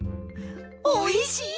おいしい！